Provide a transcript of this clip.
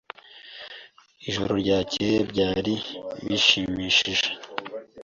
Ijoro ryakeye byari bishimishije.